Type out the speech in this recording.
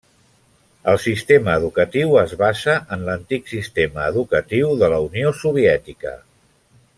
El sistema educatiu es basa en l'antic sistema educatiu de la Unió Soviètica.